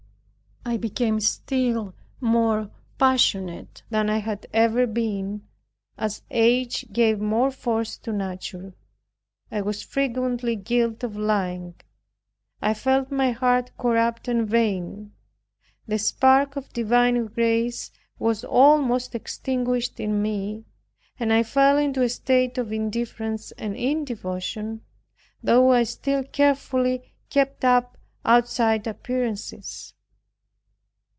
I became still more passionate than I had ever been, as age gave more force to nature. I was frequently guilty of lying. I felt my heart corrupt and vain. The spark of divine grace was almost extinguished in me, and I fell into a state of indifference and indevotion, though I still carefully kept up outside appearances.